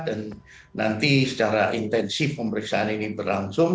dan nanti secara intensif pemeriksaan ini berlangsung